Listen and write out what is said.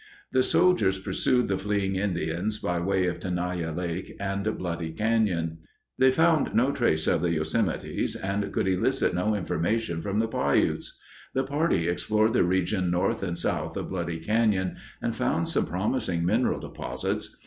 The soldiers pursued the fleeing Indians by way of Tenaya Lake and Bloody Canyon. They found no trace of the Yosemites and could elicit no information from the Piutes. The party explored the region north and south of Bloody Canyon and found some promising mineral deposits.